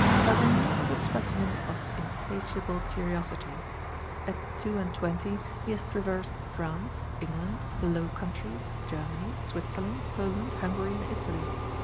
Tavernier is a specimen of insatiable curiosity. At two and twenty he has traversed France, England, the Low Countries, Germany, Switzerland, Poland, Hungary, and Italy.